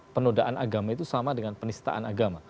penodaan agama itu sama dengan penistaan agama